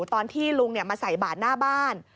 ตอนที่ลุงมาใส่บาทหน้าบ้าน